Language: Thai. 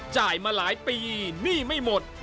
มาหลายปีหนี้ไม่หมด